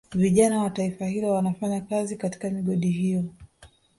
Vijana wa taifa hilo wanafanya kazi katika migodi hiyo